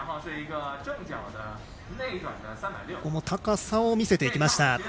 高さを見せていきました。